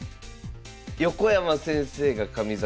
横山先生が上座。